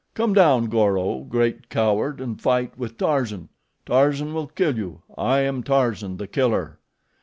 Come down, Goro, great coward, and fight with Tarzan. Tarzan will kill you. I am Tarzan, the killer."